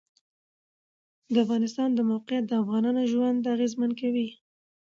د افغانستان د موقعیت د افغانانو ژوند اغېزمن کوي.